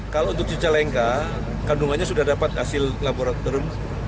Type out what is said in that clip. kalau untuk cicalengka kandungannya sudah dapat hasil laboratorium